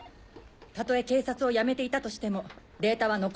たとえ警察を辞めていたとしてもデータは残ってるはず。